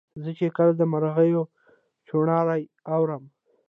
زه چي کله د مرغیو چوڼاری اورم